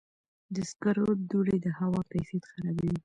د سکرو دوړې د هوا کیفیت خرابوي.